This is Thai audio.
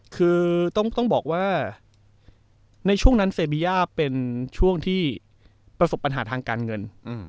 คือต้องบอกว่าในช่วงนั้นเซบีย่าเป็นช่วงที่ประสบปัญหาทางการเงิน